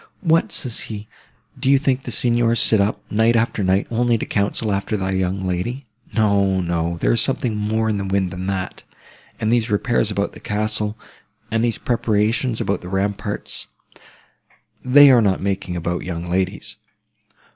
'What!' says he, 'do you think the Signors sit up, night after night, only to counsel about thy young lady! No, no, there is something more in the wind than that. And these repairs about the castle, and these preparations about the ramparts—they are not making about young ladies.